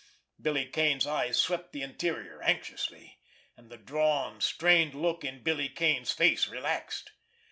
Billy Kane's eyes swept the interior anxiously—and the drawn, strained look in Billy Kane's face relaxed.